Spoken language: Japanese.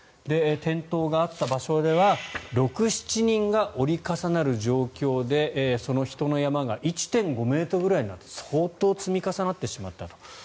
転倒があった場所では６７人が折り重なる状況でその人の山が１．５ｍくらいになった相当積み重なってしまったと。